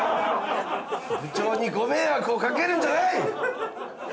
部長にご迷惑をかけるんじゃない！